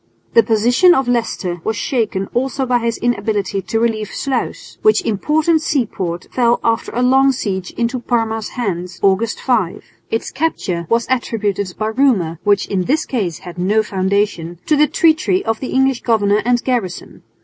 The position of Leicester was shaken also by his inability to relieve Sluis, which important seaport fell after a long siege into Parma's hands, August 5. Its capture was attributed by rumour, which in this case had no foundation, to the treachery of the English governor and garrison.